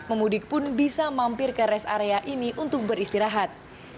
pemudik pun bisa mampir ke rest area ini untuk beristirahat